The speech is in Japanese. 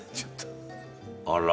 あら。